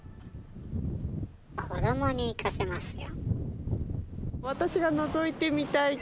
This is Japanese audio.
子どもに行かせますよ。